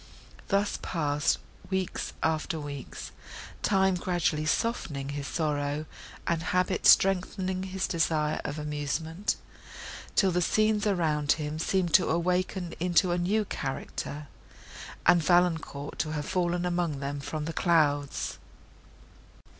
Thus passed weeks after weeks, time gradually softening his sorrow, and habit strengthening his desire of amusement, till the scenes around him seemed to awaken into a new character, and Valancourt, to have fallen among them from the clouds.